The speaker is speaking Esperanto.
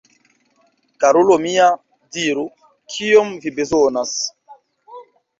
Karulo mia, diru, kiom vi bezonas?